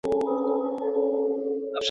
الله پر ما باندې سخا کوي.